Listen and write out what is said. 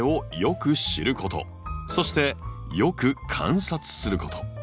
そしてよく観察すること。